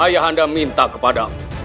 ayahanda minta kepada